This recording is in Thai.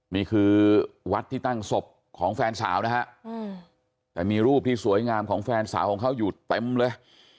นี่คือวัดที่ตั้งศพของแฟนสาวนะฮะแต่มีรูปที่สวยงามของแฟนสาวของเขาอยู่เต็มเลย